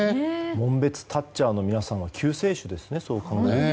紋別タッチャーの皆さんは救世主ですね。